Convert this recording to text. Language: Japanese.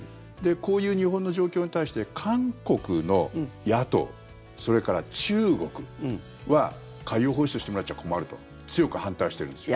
こういう日本の状況に対して韓国の野党、それから中国は海洋放出してもらっちゃ困ると強く反対してるんです。